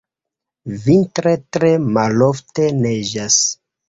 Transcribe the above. Vintre tre malofte neĝas.